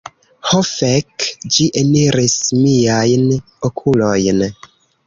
Ho fek... ĝi eniris miajn okulojn.